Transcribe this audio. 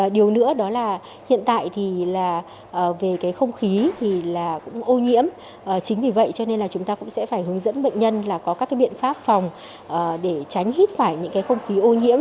điều nữa đó là hiện tại thì là về cái không khí thì là cũng ô nhiễm chính vì vậy cho nên là chúng ta cũng sẽ phải hướng dẫn bệnh nhân là có các cái biện pháp phòng để tránh hít phải những cái không khí ô nhiễm